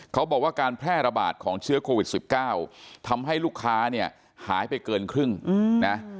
เขาบอกว่าการแพร่ระบาดของเชื้อโควิด๑๙ทำให้ลูกค้าเนี่ยหายไปเกินครึ่งนะ